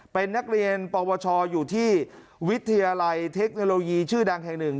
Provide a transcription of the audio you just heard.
เป็นนักเรียนปวชอยู่ที่วิทยาลัยเทคโนโลยีชื่อดังแห่งหนึ่ง